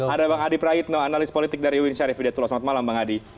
ada bang adi praitno analis politik dari winsyari fidatul selamat malam bang adi